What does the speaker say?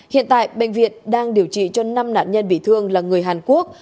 hiện tại bệnh viện đang điều trị cho năm nạn nhân bị thương là người hàn quốc